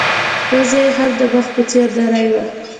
پزه يې هم د مخ په څېر نرۍ وه.